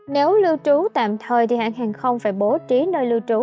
nếu lưu trú tạm thời thì hãng hàng không phải bố trí nơi lưu trú